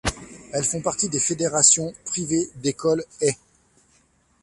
Elles font partie des fédérations - privées - d'écoles ' et '.